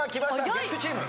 月９チーム。